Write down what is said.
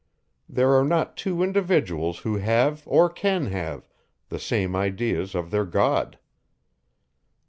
There are not two individuals, who have, or can have, the same ideas of their God.